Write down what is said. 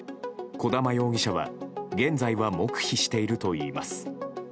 小玉容疑者は現在は黙秘しているといいます。